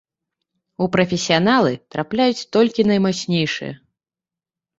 У прафесіяналы трапляюць толькі наймацнейшыя.